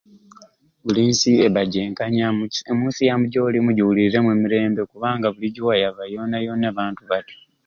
Buli nsi eba kyenjanya omu omunsi yamu gyolimu giwuliremu emirembe kubanga buli gyewayaba yona yona abantu baliyo